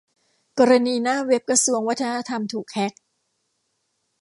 กรณีหน้าเว็บกระทรวงวัฒนธรรมถูกแฮ็ก